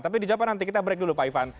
tapi di jepang nanti kita break dulu pak ivan